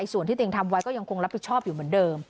ส่วนที่ตัวเองทำไว้ก็ยังคงรับผิดชอบอยู่เหมือนเดิม